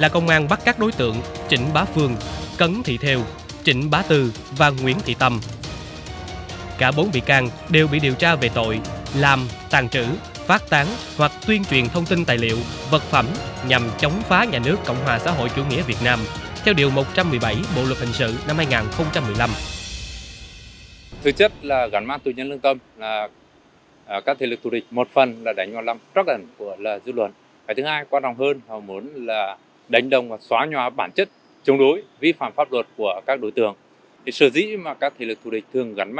cả bốn bị can đều bị điều tra về tội làm tàn trữ phát tán hoặc tuyên truyền thông tin tài liệu vật phẩm nhằm chống phá nhà nước cộng hòa xã hội chủ nghĩa việt nam theo điều một trăm một mươi bảy bộ luật hình sự năm hai nghìn một mươi năm